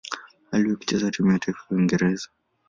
Aliwahi kucheza timu ya taifa ya Uingereza.